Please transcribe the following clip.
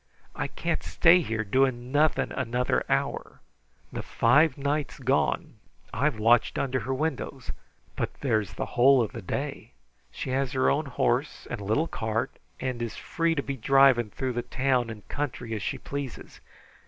I can't stay here doing nothing another hour. The five nights gone I've watched under her windows, but there's the whole of the day. She's her own horse and little cart, and's free to be driving through the town and country as she pleases.